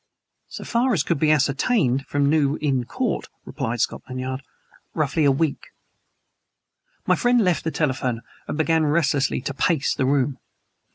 So far as could be ascertained from New Inn Court (replied Scotland Yard) roughly a week. My friend left the telephone and began restlessly to pace the room.